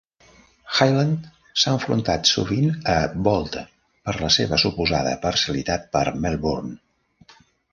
Hyland s'ha enfrontat sovint a Bolte per la seva suposada parcialitat per Melbourne.